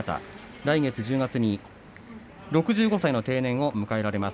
来月１０月に６５歳の定年を迎えられます。